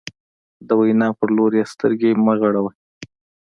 د وینا په لوري یې سترګې مه غړوه.